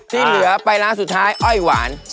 ที่เหลือไปร้านสุดท้ายอ้อยหวาน